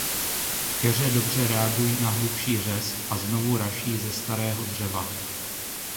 Keře dobře reagují na hlubší řez a znovu raší ze starého dřeva.